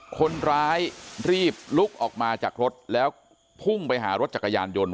คนร้ายรีบลุกออกมาจากรถแล้วพุ่งไปหารถจักรยานยนต์